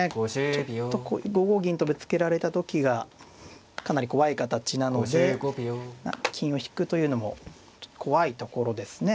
ちょっとこう５五銀とぶつけられた時がかなり怖い形なので金を引くというのも怖いところですね。